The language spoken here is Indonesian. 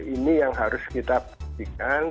ini yang harus kita pastikan